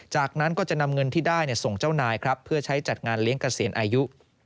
จากนั้นก็จะนำเงินที่ได้ส่งเจ้านายครับเพื่อใช้จัดงานเลี้ยงเกษียณอายุ